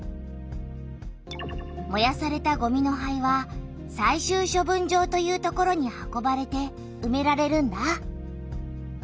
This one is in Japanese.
もやされたごみの灰は最終処分場という所に運ばれてうめられるんだ。